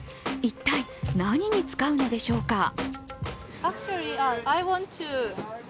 一体、何に使うのでしょうか。